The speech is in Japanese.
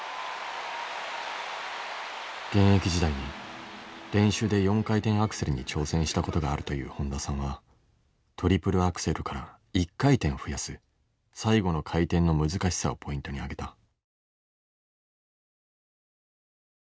現役時代に練習で４回転アクセルに挑戦したことがあるという本田さんはトリプルアクセルから１回転増やす最後の回転の難しさをポイントにあげた。